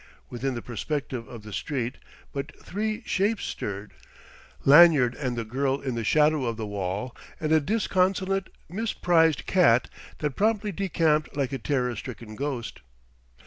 Within the perspective of the street but three shapes stirred; Lanyard and the girl in the shadow of the wall, and a disconsolate, misprized cat that promptly decamped like a terror stricken ghost.